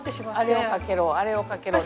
あれをかけろあれをかけろって。